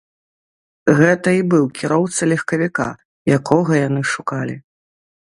Гэта і быў кіроўца легкавіка, якога яны шукалі.